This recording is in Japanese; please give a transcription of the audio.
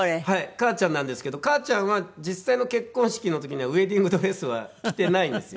母ちゃんなんですけど母ちゃんは実際の結婚式の時にはウェディングドレスは着てないんですよ。